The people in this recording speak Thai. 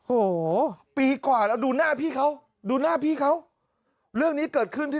โอ้โหปีกว่าเราดูหน้าพี่เขาดูหน้าพี่เขาเรื่องนี้เกิดขึ้นที่